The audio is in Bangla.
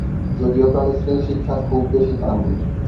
যদিও প্রাতিষ্ঠানিক শিক্ষা খুব বেশি পাননি।